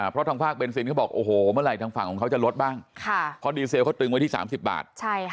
เพราะทางภาคเบนซินเขาบอกโอ้โหเมื่อไหร่ทางฝั่งของเขาจะลดบ้างเพราะดีเซลเขาตึงไว้ที่๓๐บาท